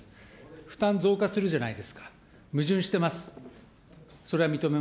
負担増加するじゃないですか、矛盾してます。